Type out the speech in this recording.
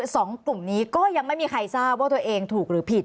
สองกลุ่มนี้ก็ยังไม่มีใครทราบว่าตัวเองถูกหรือผิด